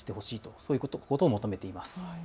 そういうことを求めています。